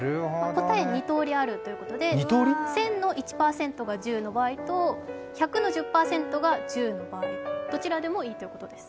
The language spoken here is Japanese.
答え、２通りあるということで１０００の１％が１０の場合と、１００の１０％が１０の場合、どちらでもいいということです。